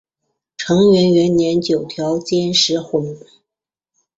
承元元年九条兼实薨。